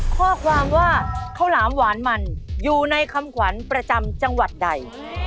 ข้อความว่าข้าวหลามหวานมันอยู่ในคำขวัญประจำจังหวัดใด